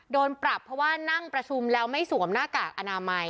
โดนปรับเพราะว่านั่งประชุมแล้วไม่สวมหน้ากากอนามัย